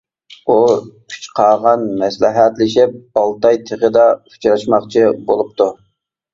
ئۇ ئۈچ قاغان مەسلىھەتلىشىپ، ئالتاي تېغىدا ئۇچراشماقچى بولۇپتۇ.